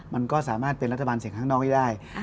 มันก็สามารถเป็นรัฐบาลเสียงข้างนอกได้